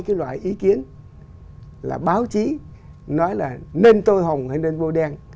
hai cái loại ý kiến là báo chí nói là nên tô hồng hay nên bôi đen